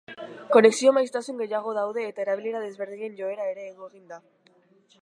Konexio maiztasun gehiago daude eta erabilera ezberdinen joera ere igo egin da.